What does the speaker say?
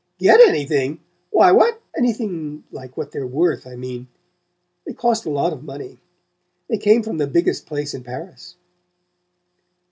"Get anything? Why, what " "Anything like what they're worth, I mean. They cost a lot of money: they came from the biggest place in Paris."